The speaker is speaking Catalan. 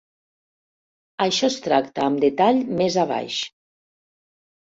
Això es tracta amb detall més abaix.